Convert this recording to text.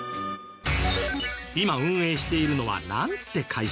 今運営しているのはなんて会社でしたっけ？